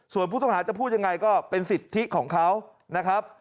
ส่วนผู้ต้องหาจะพูดยังไงก็เป็นสิทธิของเขานะครับ